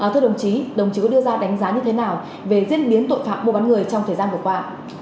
thưa đồng chí đồng chí có đưa ra đánh giá như thế nào về diễn biến tội phạm mua bán người trong thời gian vừa qua